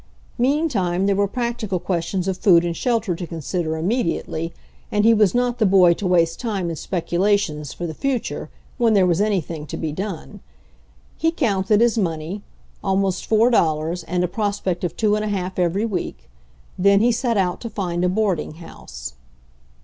Meantime there were practical questions of fopd and shelter to consider immediately and he was not the boy to waste time in speculations for the future when there was anything to be done. He counted his mojiey. Almost four dollars, and a prospect of two and 1 a half every week. Then he set out to find a boarding house.